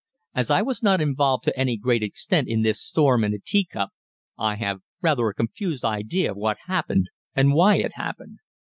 As I was not involved to any great extent in this storm in a teacup, I have rather a confused idea of what happened and why it happened.